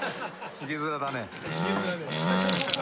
ひげ面だよ。